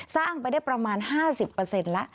สร้างไปได้ประมาณ๕๐แล้ว